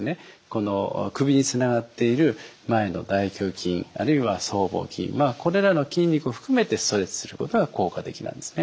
首につながっている前の大胸筋あるいは僧帽筋これらの筋肉を含めてストレッチすることが効果的なんですね。